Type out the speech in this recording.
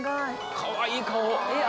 かわいい顔！